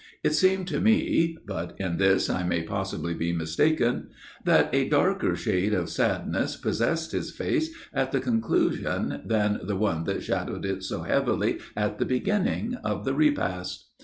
It seemed to me but in this I may possibly be mistaken that a darker shade of sadness possessed his face at the conclusion than the one that shadowed it so heavily at the beginning of the repast.